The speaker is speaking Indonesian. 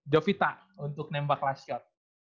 jovita untuk menembak last shot